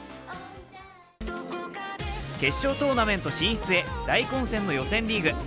決勝トーナメント進出へ大混戦の予選リーグ。